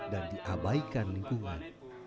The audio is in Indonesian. dan diabaikan lingkungan